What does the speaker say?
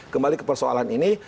kembali ke persoalan ini